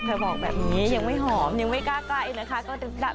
บอกแบบนี้ยังไม่หอมยังไม่กล้าใกล้นะคะ